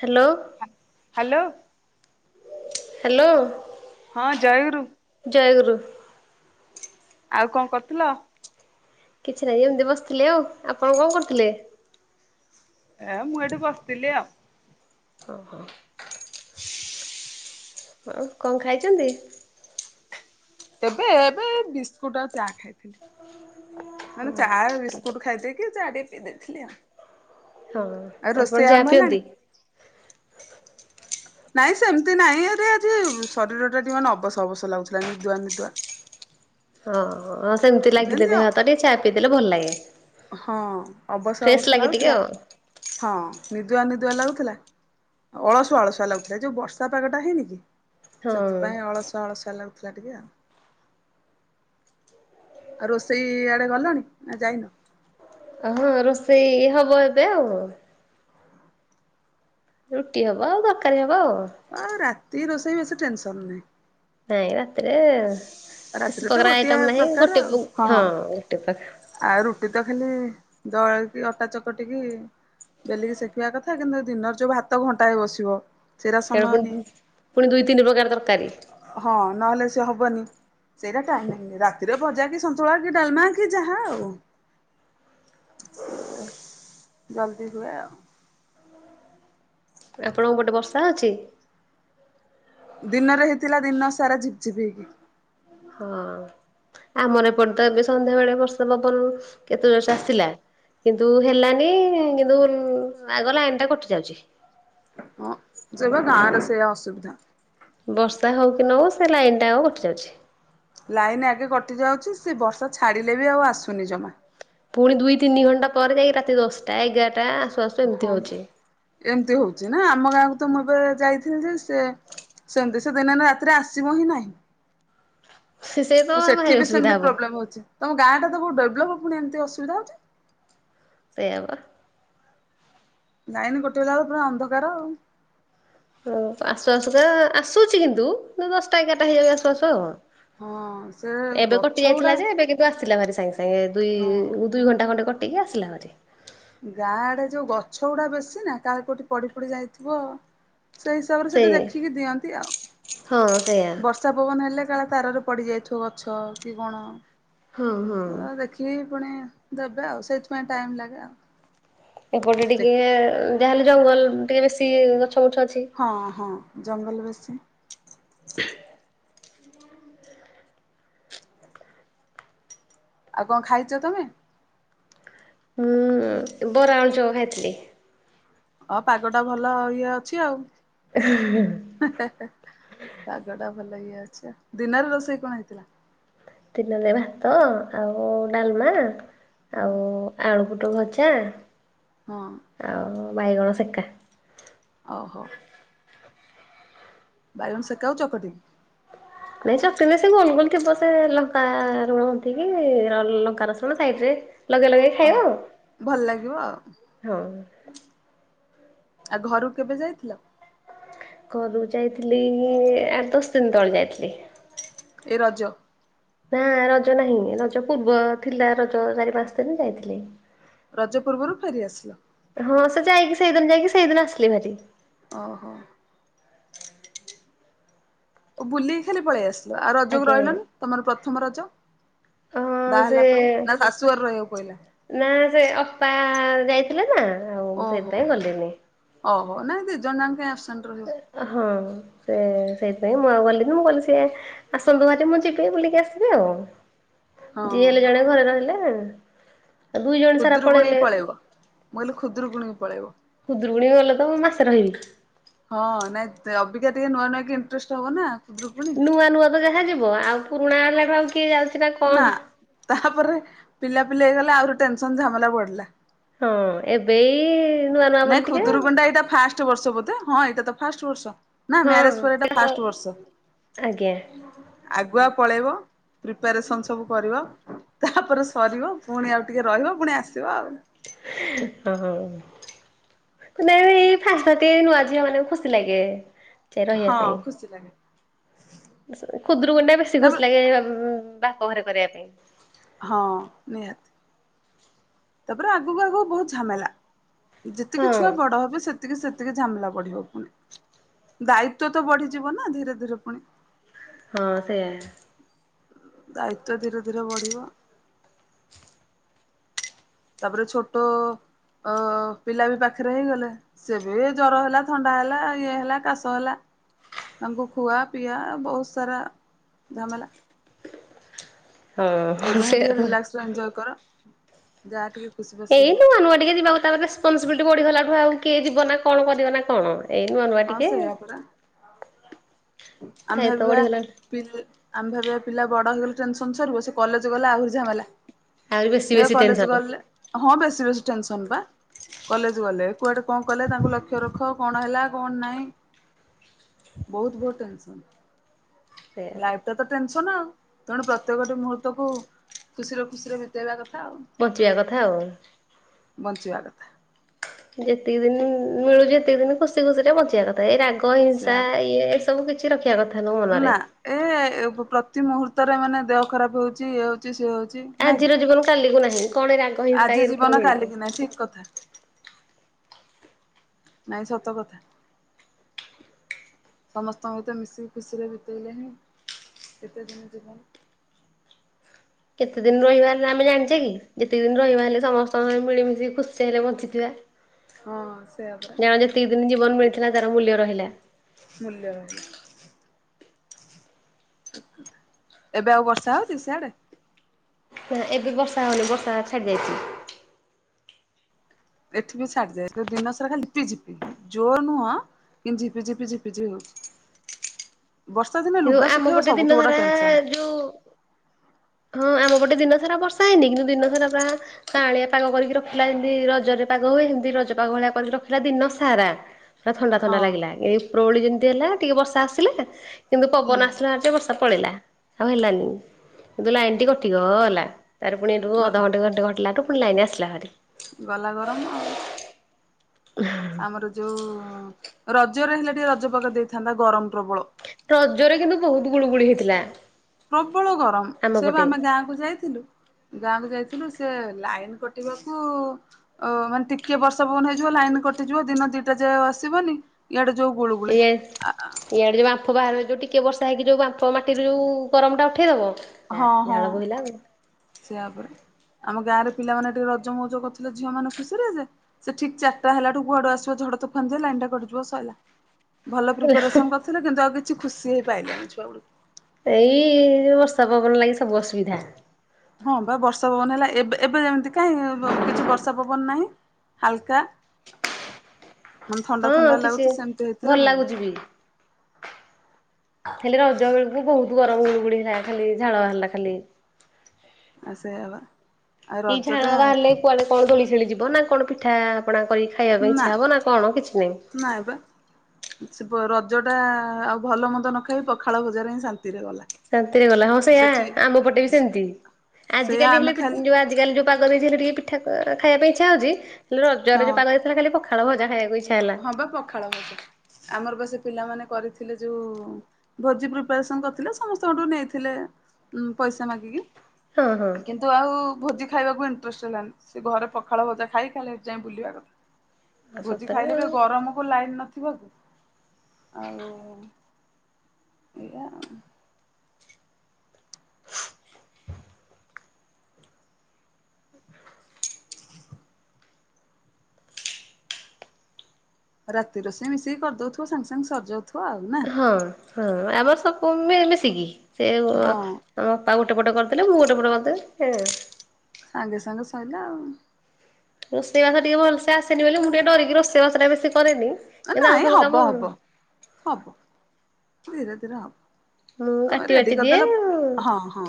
Hello. Hello. Hello. ହଁ ଜୟଗୁରୁ। ଜୟଗୁରୁ। ଆଉ କଣ କରୁଥିଲ? କିଛି ନାହିଁ ଏମିତି ବସିଥିଲି ଆଉ, ଆପଣ କଣ କରୁଥିଲେ? ଏ ମୁଁ ଏଇଠି ବସିଥିଲି ଆଉ। ଓହୋ। ହଉ କଣ ଖାଇଛନ୍ତି। ତେବେ ଏବେ ବିସ୍କୁଟ ଆଉ ଚା ଖାଇଥିଲି ମାନେ ଚା ବିସ୍ କକୁଟ ଖାଇଥିଲ କିଡଆ ପିଇ ଦେଇଥିଲ ଆଉ ହଁ ଆଉ ରୋଷେଇ ଆପଣ ଆରମ୍ଭ ଯାହା ହେଲାଣି? ପିଅନ୍ତି। ନାଇଁ ସେମିତି ନାଇଁ ଆରେ ଆଜି ଶରୀର ଟା ଟିକେ ଅବସ ଅବସ ଲାଗୁଥିଲା ନିଦୁଆ ନିଦୁଆ ହଁ ହଁ ସେମିତି ଲାଗିଲେ ଯେମିତି ଦେହ ହାତ ଟିକେ ଚା ପିଇ ଦେେଲେ ଭଲ ଲାଗେ ହଁ ଅବସ୍ ଫ୍ରେଶ ଅବସ୍ୟ ଲାଗେ ଟିକେ ଲାଗୁଥିଲା ଆଉ। ହଁ ନିଦୁଆ ନିଦୁଆ ଲାଗୁଥିଲା। ଅଳସୁଆ ଅଳସୁଆ ଲାଗୁଥିଲା ଯୋଉ ବର୍ଷା ପାଗଟା ହେଇନି କି ସେଥିପାଇଁ ହଁ ଅଳସୁଆ ଅଳସଆ ଲାଗୁଥିଲା ଟିକେ ଆଉ ଆଉ ରୋଷେଇ ଆଡ଼େ ଗଲଣି ନା ଯାଇନ ଓହଁ ରୋଷେଇ ହବ ଏବେ ଆଉ ରୁଟି ହବ ଆଉ ଦରକାରୀ ହବ ଆଉ ଆଉ ରାତି ରୋଷେଇ ବେଶୀ ଟେନସନ ନାହିଁ। ନାଇଁ ରାତିରେ ବେଶୀ ରାତିରେ ତ ପ୍ରକାର ଗୋଟିଏ ଆଇଟମ ନାହିଁ ପ୍ରକାର ଗୋଟେ ଆଉ ହଁ ଗୋଟେ ଆଉ ରୁଟି ତ ଖାଲି ଦଳ କି ଅଟା ଚକଟ କି ବେଲିକି ଶ ସେଖିବା କଥା କିନ୍ତୁ ଦିନର ଯୋଉ ଭାତ ଘଣ୍ଟା ହେ ବସିବ ସେଇଟା ସେ ସମୟ ପୁଣି ନିଏ। ପୁଣି ଦୁଇ ତିନି ପ୍ରକାର ତରକାରୀ ହଁ ନହେଲେ ସେ ହବନି ସେଇଟା ଟାଇମ ଲାଗନି ରାତିରେ ଭଜା କି ସନ୍ତୁଳା କି ଡାଲମା କି ଯାହା ଆଉ ହଁ ସେ ଜଲଦି ହୁଏ ଆଉ ଆପଣଙ୍କ ଗୋଟେ ବର୍ଷା ଅଛି। ଦିନରେ ହେଇଥିଲା ଦିନ ସାରା ଯିପି ଜିିବି ହେଇକି। ହଁ ଆମର ଏପଟ ତ ଏବେ ସନ୍ଧ୍ୟା ବେଳେ ବର୍ଷା ପବନରୁ କେତେ ଜଣ ଚାଷିଲା। କିନ୍ତୁ ହେଲାନି କିନ୍ତୁ ଆଗ ଲାଇନ ଟା କଟି ଯାଉଛି। ହଁ ଯିବା ଗାଁରେ ସେଇୟା ଅସୁବିଧା ବର୍ଷା ହଉ କି ନ ହଉ ସେ ଲାଇନ୍ ଟା ଆଉ ଉଠଟି ଯାଉଛି ଲାଇନ୍ ଆଗେ କଟିଯାଉଛି ସେ ବର୍ଷା ଛାଡ଼ିଲେ ବି ଆଉ ଆସୁନି ଜମା ପୁଣି ଦୁଇ ତିନି ଘଣ୍ଟା ପରେ ଯାଇକି ରାତି ଦଶଟା ଏଗାରଟା ଆସୁ ଆସୁ ଏମିତି ହଁ ହଉଛି। ଏମିତି ହଉଛି ନା ଆମ ଗାଁକୁ ତ ମୁଁ ଏବେ ଯାଇଥିଲି ଯେ ସେ ସେମିତି ସେ ଦିନ ରାତିରେ ଆସିବ ହିଁ ନାହିଁ ସେ ସେ ତ ଓ ସେଠି ଭାରି ବି ଅସୁବିଧା ସେମିତି ହବ ପ୍ରୋବ୍ଲେମ ହଉଛି ତମ ଗାଁ ଟାବୁ ଡେଲପବୁ ଏମି ଅସୁବିଧାଉଛି ସେ ବା ନାଇଁନି ଗୋଟେ ବେ ହେଲା ପୁରା ଅନ୍ଧକାର ଆଉ ହ ଆସବାସ ତ ଆସୁଛି କିନ୍ତୁ ଦଶଟା ଏଗାରଟା ହେଇଯିବ ଆସବାସଉ ହଁ ସେ ଗଛ ଗୁଡା ଯେ ଏବେ କିନ୍ତୁ ଆସିଲା ଭାରି ସାଙ୍ଗେ ସାଙ୍ଗେ ଦୁଇ ହଁ ଦୁଇ ଘଣ୍ଟା ଖଣ୍ଡଟେ କଟିକି ଆସିଲା ଭାରି ଗାଁ ଆଡେ ଯୋଉ ଗଛ ଗୁଡା ବେଶୀ ନା କା କୋଉଠି ପଡି ପଡି ଯାଇଥିବ ସେଇ ହିସାବରେ ସେଠି ସେଇ ଦେଖିକି ଦିଅନ୍ତି ଆଉ ହଁ ସେଇଆ। ବର୍ଷ ବର୍ଷା ପବନ ହେଲେ କାଳେ ତାରରେ ପଡି ଯାଇଥିବ ଗଛ କି କଣ ହଁ ହଁ। ଦେଖ କି ପୁଣି ଦେବେ ଆଉ ସେଇଥିପାଇଁ ଟାଇମ ଲାଗେ ଆଉ ଏପଟେ ଟିକେ ଚେକି ଯାହାହେଲେ ଜଙ୍ଗଲ ଟିକେ ବେଶି ଗଛ ଗଛ ଅଛି ହଁ ହଁ ଜଙ୍ଗଲ ବେଶୀ ଆଉ କଣ ଖାଇଛ ତମେ ହୁଁ ବରା ଆଣ ଚଉ ଖାଇଥିଲି ହ ପାଗ ଟା ଭଲ ଇଏ ଅଛି ଆଉ ହଁ ପାଗ ଟା ଭଲ ଇଏ ଅଛି ଦିନରେ ରୋଷେଇ କଣ ହେଇଥିଲା ଦିନରେ ଭାତ ଆଉ ଡାଲମା ହଁ ଆଉ ଆଳୁପୋଟଳ ଭଜା, ହଁ। ଆଉ ବାଇଗଣ ସେକା, ଓ ହୋ। ବାଇଗଣ ସେକାକୁ ଚକଟି- ନାଇଁ ଚକଟି ସେଇ ଗୋଲ ଗୋଲ ଥିବ ସେ ଲଙ୍କା ଲୁଣ ମନ୍ଥିକି ଲଙ୍କା ରସୁଣ ସାଇଡରେ, ଲଗେଇ ଲଗେଇ ଖାଇବା ଓହୋ। ଆଉ ଭଲ ଲାଗିବ ଆଉ ହଁ। ଆଉ ଘରୁକୁ କେବେ ଯାଇଥିଲ? ଘରୁ ଯାଇଥିଲି ଆଠ ଦଶ ଦିନ ତଳେ ଯାଇଥିଲି। ଏ ରଜ ନା ରଜ ନାହିଁ ରଜ ପୂର୍ବ ଥିଲା ରଜ ଚାରି ପାଞ୍ଚ ଦିନ ଯାଇଥିଲି। ରଜ ପୂର୍ବରୁ ଫେରିଆସିଲ। ହଁ ସେ ଯାଇକି ସେଇଦିନ ଯାଇକି ସେଇଦିନ ଆସିଲି ଭାରି। ଓହୋ। ଓ ବୁଲିକି ଖାଲି ପଳେଇ ଆସିଲୁ ଆଉ ରଜକୁ ଆଜ୍ଞା ରହିଲନି ତମର ପ୍ରଥମ ରଜ। ହଁ ବାହା ସେ ହେଲା ପରେ ନା ଶାଶୁଘର ରହିବାକୁ ପଇଲା? ନା ସେ ଅପା ଯାଇଥିଲେ ନା ଆଉ ମୁଁ ଓହୋ ସେଇଥିପାଇଁ ହୋ। ଗଲିନି, ଓହୋ ନାଇ ଦିଇ ଜଣ ଯାଙ୍କ କାଇଁ ଆପସଣ୍ଟ ରହିବ। ହଁ ସେ ସେଇଥିପାଇଁ ମୁଁ ଆଉ ଗଲିନି ମୁଁ କଲି ସେ ଆସନ୍ତୁ ଭାରି ମୁଁ ଯିବି ବୁଲିକି ଆସିବି ଆଉ, ଯିଏ ହେଲେ ହଁ। ଜଣେ ଘରେ ରହିଲେ, ଦୁଇ ଜଣ ସାରା ଖୁଦୁରୁକୁଣୀ ପଳେଇଲେ କୁ ପଳେଇବ, ମୁଁ କହିଲି ଖୁଦୁରୁକୁଣୀ କି ପଳେଇବ। ଖୁଦୁରୁକୁଣି କୁ ଗଲେ ତ ମୁଁ ମାସେ ରହିବି। ହଁ ନାଇଁ ଅବିକା ଟିକେ ନୂଆ ନୂଆ କି ଇଣ୍ଟ୍ରେଷ୍ଟ ହବ ନା। ଖୁଦୁରୁକୁଣୀ। ନୂଆ ନୂଆ ତ ଯାହା ଯିବ ଆଉ ପୁରୁଣା ହେଲାଠୁ ଆଉ କିଏ ଯାଉଛି? ନା ତାପରେ ପିଲାପିଲା ହେଇଗଲେ ଆହୁରି ଟେନସନ ଝାମେଲା ବଢ଼ିଲା। ହଁ ଏବେ ଇ ନାଇଁ ଖୁଦୁରରକୁୁଣ୍ଡା ଏଇଟା ଫାଷ୍ଟ ବର୍ଷ ବୋଧେ ହଁ ଏଇଟା ତ ଫାଷ୍ଟ ବର୍ଷ। ନା ମ୍ୟାରେଜ ପରେ ଏଟା ହଁ ଫାଷ୍ଟ ବର୍ଷ। ଆଜ୍ଞା ଆଗୁଆ ପଳେଇବ ପ୍ରିପାରେସନ ସବୁ କରିବ। ତାପରେ ସରିବ ପୁଣି ଆଉ ଟିକେ ରହିବ ପୁଣି ଆସିବ ଆଉ। ହ [inaudible] ନାଇ ଫାର୍ଷ୍ଟ ଫାର୍ଷ୍ଟ ଟିକେ ନୂଆ ଝିଅମାନକୁ ଖୁସି ଲାଗେ। ରହିବା ହଁ ଖୁସି ଲାଗେ। ପାଇଁ ଖୁଦୁରୁକଣୀ ବେଶୀ ତାପରେ ଖୁସି ଲାଗେ ର ବାହା ଘରେ କରିବା ପାଇଁ। ହଁ ନିହାତି ତାପରେ ଆଗକୁ ଆଗକୁ ବହୁତ ଝାମେଲା, ଯେତିକି ହଁ ଛୁଆ ବଡ ହେବେ ସେ ସେତିକି ସେତିକି ଝାମେଲା ବଢିବ ପୁଣି ଦାୟିତ୍ଵ ତ ବଢିଯିବ ନା ଧୀରେ ଧୀରେ ପୁଣି ହଁ ସେଇଆ। ଦାୟିତ୍ଵ ଧୀରେ ଧୀରେ ବଢିବ। ତାପରେ ଛୋଟ ଅ ପିଲା ବି ପାଖରେ ହେଇଗଲେ। ସେବେ ଜର ହେଲା ଥଣ୍ଡା ହେଲା ଇଏ ହେଲା କାଶ ହେଲା। ତାଙ୍କୁ ଖୁଆ ପିଆ ବହୁତ ସାରା ଝାମେଲା। ହଁ ଏବେ ହିଁ ସେଇଆ ଟିକେ ତ। ରିଲାକ୍ସ ରେ ଏଞ୍ଜୟ୍ କର ଯାହା ଟିକେ ଖୁସି, ବାସି ଏଇ ହୁଅ। ନୂଆ ନୂଆ ଟିକେ ଯିବାକୁ ତା ରେସପନସିବିଲିଟି ବଢିଗଲା ଠୁ ଆଉ କିଏ ଯିବ ନା କଣ କରିବ ନା କଣ। ଏଇ ନୂଆ ନୂଆ ହଁ ଟିକେ, ସେଇଆ ପରା ଆମେ ଦାୟିତ୍ୱ ଭାବିବା ବଢିଗଲା ଆମେ ଭାବିବା ପିଲା ବଡ ହେଇଗଲେ ଟେନସନ ସରିବ ସେ କଲେଜ ଗଲେ ଆହୁରି ଝାମେଲା। ଆହୁରି ବେଶୀ ଏ ବେଶୀ କଲେଜ ଟେନସନ ଗଲେ ହଁ ବେଶୀ ବେଶୀ ଟେନସନ ପା, କଲେଜ ଗଲେ କୁଆଡେ କଣ କଲେ ତାଙ୍କୁ ଲକ୍ଷ୍ୟ ରଖ କଣ ହେଲା କଣ ନାଇଁ। ବହୁତ ବହୁତ ଟେନ୍ସନ୍ ସେଇଆ ବା ଲାଇଫି ତ ତ ଟେନସନ ଆଉ ତେଣୁ ପ୍ରତ୍ୟେକଟି ମୁହୂର୍ତ କୁ ଖୁସିରେ ଖୁସିରେ ବିତେଇବା କଥା ଆଉ। ବଞ୍ଚିବା କଥା ଆଉ। ବଞ୍ଚିଵା କଥା। ଯେତିକି ଦିନ ମିଳୁଛି ଯେତିକି ଦିନ ଖୁସି ଖୁସି ଟା ବଚିବା କ ଏଇ ରାଗ ହିଂସା ସେୟା ଇଏ ଏ ସବୁ କିଛି ରଖିବା କଥା ହେଲା ମୋ ମନରେ। ନା ଏ ପ୍ରତି ମୁହୂର୍ତ୍ତରେ ମାନେ ଦେହ ଖରାପ ହଉଛି ଇଏ ହଉଛି ସେ ହଉଛି। ନାଇଁ କି? ଆଜିର ଜୀବନ କାଲିକୁ ନାହିଁ କଣ ରାଗ ହିଂସା ଆଜି ଇଏରୁ କଣ ଜୀବନ ମିଳିବ। କାଲ କି ନହିଁ ଠିକ କଥା। ନାଇଁ ସତ କଥା। ସମସ୍ତଙ୍କୁ ତ ମିଶିକି ଖୁସିରେ ବିତେଇଲେ ହିଁ କେତେ ଦିନ ଯିବନ କେତେ ଦିନ ରହିବ ହେଲେ ଆମେ ଜାଣିଛେ କି ଯେତେ ଦିନ ରହିବା ହେଲେ ସମସ୍ତଙ୍କ ମିଳିମଶି ଖୁସି ସେହରେ ବଞ୍ଚିଥିବା। ହଁ ସେୟା ପରା। ଦି ଦିନ ଜୀବନ ମିଳିଥିଲା ତାର ମୂଲ୍ୟ ରହିଲା। ମୂଲ୍ୟ ରହିଲା। ଥା ଏବେ ଆଉ ବର୍ଷା ହଉଛି ସିଆଡେ। ନା ଏବେ ବର୍ଷା ହଉନି ବର୍ଷା ଛାଡି ଯାଇଛି। ଏଠି ବି ଛାଡିଯାଏ ଯୋଉ ଦିନସାରା ଖାଲି ଲିପିିପି ଯୋର ନୁହଁ। କିନ୍ତି ଛିପି ଛିପି ହଉଛି। [inaudible] ବର୍ଷା ଦିନ କିନ୍ତୁ ଆମପଟେ ଦିନ ଧାରା ଯୋଉ ହଁ ଆମ ପଟେ ଦିନସାରା ବର୍ଷା ହେଇନି କିନ୍ତୁ ଦିନ ସାରା ପ୍ରା ତାଳିଆ ପାଗ କରିକି ରଖିଲା ଯେମିତି ରଜରେ ପାଗ ହୁଏ। ଏମିତି ରଜ ପାଗ ଭଳିଆ କରିକି ରଖିଲା ଦିନ ସାରା। ପା ଥଣ୍ଡା ଥଣ୍ଡା ହଁ ଲାଗିଲା ଏ ଉପରଉଳିମତି ହେଲା ଟିକେ ବଷାସିଲେ କିନ୍ତୁ ହୁଁ। ପବନ ଆସିଲାେ ବର୍ଷା ପଳେଇିଲା ଆଉ ହେଲାନି କିନ୍ତୁ ଲାଇନ ଟି କଟିଗଲା। ତାର ପୁଣିରୁ ଅଧଣ୍ଟ ଘଣ୍ଟେ ଘଟାାରୁୁଣି ଲାଇନ ଆସିଲା ଭରି। ଗଲା ଗରମ ଆଉ। ଆମର ଯୋଉ ରଜରେ ହେଲେ ଟିକେ ରଜ ପକା ଦେଇଥାନ୍ତା ଗରମ ପ୍ରବଳ। ରଜରେ କିନ୍ତୁ ବହୁତ ଗୁଳୁ ଗୁଳି ହେଇଥିଲା। ପ୍ରବଳ ଆମ ଗରମ ସେବୁ ପଟେ ଆମେ ଗାଁକୁ ଯାଇଥିଲୁ। ଗାଁକୁ ଯାଇଥିଲୁ ସେ ଲାଇନ କଟିବାକୁ ଓ ମାନେ ଟିକେ ବର୍ଷା ପବନ ହେଇଯିବ ଲାଇନ କଟିଯିବ ଦିନ ଦିଟା ଯାଏ ଆସିବନି। ଏଡ଼ ଯୋଗ ଗୁଳଗୁଳି ଆ ଇଆଡ଼େ ଯେଉଁମ୍ପ ବାହାରୁ ଯେଉଁ ଟିକେ ବର୍ଷା ହେ ହୋଇକି ଯେଉଁ ବାମ୍ପ ମାଟିରୁ ଯେଉ ଗରଟା ଉଠାଇଦେବ। ହଁ ହଁ ସେୟା ପରା। ଆମ ଗାଁରେ ପିଲାମାନେ ଟିକେ ରଜ ମଉଜ କରିଥିଲେ ଝିଅ ମାନ ଖୁସିରେ ଯେ ସେ ଠିକ ଚାରିଟା ହେଲାଠୁଆଡୁ ଆସ ଝଡ ଫେ ଲାଇନ ଟା କଡିିବ ସଇିଲା। ଭଲ ପ୍ରିପାରେସନ କରିଥିଲେ କିନ୍ତୁ ଆଉ କିଛି ଖୁସି ହେଇ ପାଇିଲନି ଛୁଆ ବେକୁ ଏଇ ଯୋଉ ବର୍ଷା ପବନ ଲାଗି ସବୁ ଅସୁବିଧା। ହଁ ବା ବର୍ଷା ପବନ ହେଲା ଏବେ ଏବେ ଯେମିତି କାଇହିଁ କିଛି ବର୍ଷା ପବନ ନାହିଁ। ହାଲକା ମାନେ ଥଣ୍ଡା ହଁ ଥଣ୍ଡା କିଛି ଲାଗୁଛି ସେମିତି ହେଇଥିଲା ଭଲ। ଖାଲି ରଜ ବେଳକୁ ବହୁତ ଗରମ ବୁଡ ହେଥିଲା ଖାଲି ଝାଳ ବାହାରିଲା ଖାଲି। ସେୟା ପା। ଏଇ ଝାଳ ବାହାରିଲେ କୁଆଡେ କଣ ଦୋଳିଶେଳି ଯିବ ନା କଣ ପିଠା ଆପଣା କରି ନା ନା ପା। ସେ ରଜ ଟା ଆଉ ଭଲ ମନ୍ଦ ନ ଖାଇ ପଖାଳ ଭଜାରେ ହିଁ ଶାନ୍ତିରେ ଗଲା। ରାତିରେ ଗଲା ହଁ ସେଇୟଆା ସେଠି ଆମ ପଟେ ବି ସେମିତି ସେଇଆ ଆଜିକାଲି ଆମେ ହେଲେ ଖାଲି ଯ ଆଜିକାଲି ଯୋଉ ପାଗ ଦେଇ ହେଲେ ଟିକେ ପିଠା ଖାଇବା ଇ୍ଛା ହଉ ହେ ହଁ ରଜରେଉ ପାଗ ଖାଲି ପଖା ଭଜା ଖବା ଇଛ ହେଲା। ହବ ପଖାଳ ଭଜା ଆମର ବା ସେ ପିଲାମାନେ କରିଥିଲେ ଯୋଉ। ଭୋଜି ପ୍ରିପାରେସନ କରିଥିଲେ ସମସ୍ତଙ୍କଠୁ ନେଇଥିଲେ ପଇସା ମାଗିକି। ହଁ ହଁ। ତ ଆଉ ଭୋଜି ଖାଇବାକୁ ଇଣ୍ଟରେଷ୍ଟ ହେଲାନି ସେ ଘରେ ପଖାଳ ଭଜା ଖାଇ ଖାଲି ହେଠି ଯାଇଁ ବୁଲିବା କଥା। ଆ ସତରେ ଆଉ। ରମକୁ ଲାଇନ ନଥିବାକୁ। ଆଉ ଏଇଆ ଆଉ। [unintelligible] ରାତି ରୋଷେଇ ମିଶେକି କରିଦଉଥିବ ସାଙ୍ଗେ ସାଙ୍ଗେ ସରିଯାଉ ହଁ ହଁ ଆମର ସ‌ କୁ ମିଳି ମିଶିକି ସେ ମ ହଁ। ତା ବାପା ଗୋଟ ପଟେ କରିଦଲେ ମୁଁ ଗୋଟେ ପଟେ କରିଦେବି ହେ ସାଙ୍ଗେ ସାଙ୍ଗେ ସଇଲା ଆଉ। ରୋଷେଇ ବାସ ଟିକେ ଭଲସେ ଆସେନି ବୋଲି ମୁଁ ଟିକେ ଡରିକି ରୋଷେଇ ବାସଟା ବେଶି କରେନି କିନ୍ତୁ ଆଉ ନାଇଁ ସବୁ ହବ କାମ। ହବ ହବ ଧୀରେ ଧୀରେ ହବ। ମୁଁ ତମେ କାଟି ରେଡି ବାଟି ଦିଏ କରିଦେଲ ଉଁ। ହଁ ହଁ।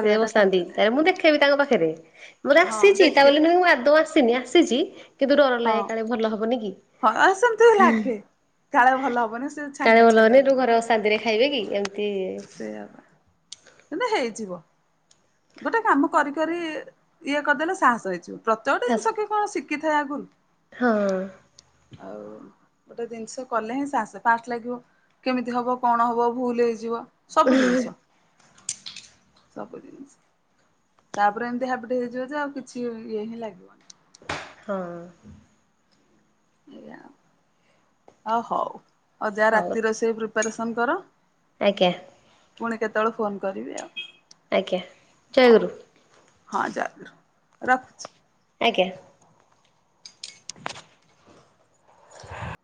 ସେ ବସାନ୍ତି ତାଏ କାଟିଦେଲେ ମୁଁ ଦେଖେବି ତାଙ୍କ ପାଖରେ ମୋତେ ହଁ ଆସିଛି ତା ଦେଖି ବୋଲି ନୁ ଏ ମୁଁ ଆଦୋଉଁ ଆସିନି ଆସିଛି। କିନ୍ତୁ ଡର ହଁ ଲାଗେ କାଳେ ଭଲ ହବନି କି। ହଁ ସେମିତି ଲାଗେ କାଳେ ଭଲ ହବନି ସେ ଛାନିଆ ଛାନିଆ। ସେଟୁ ଲାଗେ ଘରେ ଅଶାନ୍ତି ରେ ଖାଇବେ କି ଏମିତି। ସେୟା ବା କିନ୍ତୁ ହେଇଯିବ। ଗୋଟେ କାମ କରି କରି ଇଏ କରି ଦେଲେ ସାହସ ହେଇଯିବ ପ୍ରତ୍ୟେକ ଟି ଆସ ଜିନିଷ କିଏ କଣ ଶିଖିଥାଏ ଆଗରୁ। ହଁ। ଆଉ। ଗୋଟେ ଜିନିଷ କଲେ ହିଁ ସାହସ ଫାଷ୍ଟ ଲାଗିବ କେମିତି ହବ କଣ ହବ ଭୁଲ ହେଇଯିବ। ସବୁ ଜିନିଷ ସବୁ ଜିନଷ‌। ତାପରେ ଏମିତି ହାବିଟି ହେଇଯିବ ଯେ ଆଉ କିଛି ଇଏ ହିଁ ଲାଗିବନି। ହଁ। ଏଇଆ ଆଉ ଅ ହଉ ଆଉ ଯା ହଉ ରାତି ରୋଷେଇ ପ୍ରିପାରେସନ୍ କର। ଆଜ୍ଞା। ପୁଣି କେତେ ବେଳେ ଫୋନ କରିବି ଆଉ। ଆଜ୍ଞା। ଜୟ ହଉ ଗୁରୁ। ହଁ ଜୟଗୁରୁ ରଖୁଛି। ଆଜ୍ଞା। ହା